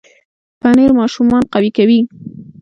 پنېر ماشومان قوي کوي.